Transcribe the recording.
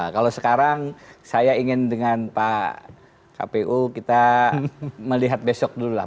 kalau sekarang saya ingin dengan pak kpu kita melihat besok dulu lah